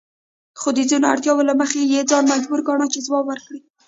خو د ځینو اړتیاوو له مخې یې ځان مجبور ګاڼه چې ځواب ورکړي.